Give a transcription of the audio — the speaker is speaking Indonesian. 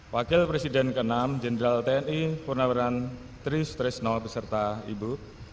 wakil presiden ke enam jenderal tni purnawiran trisno beserta ibu